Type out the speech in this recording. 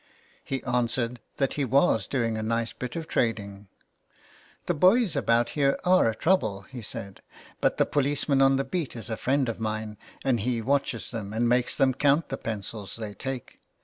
He answered that he was doing a nice bit of trading. " The boys about here are a trouble," he said, " but the policeman on the beat is a friend of mine, and he watches them and makes them count the pencils they take.